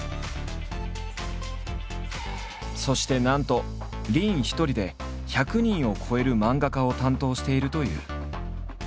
そしてなんと林一人で１００人を超える漫画家を担当しているという。